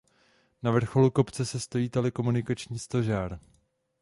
Na vrcholu kopce se stojí telekomunikační stožár.